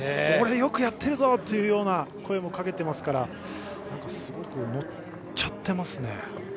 俺よくやっているぞという声もかけていますからすごく乗っちゃってますね。